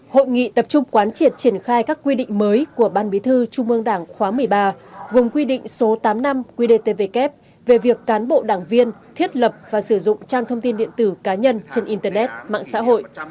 hội nghị tập trung quán triệt triển khai các quy định mới của ban bí thư trung ương đảng khóa một mươi ba gồm quy định số tám năm qdtvk về việc cán bộ đảng viên thiết lập và sử dụng trang thông tin điện tử cá nhân trên internet mạng xã hội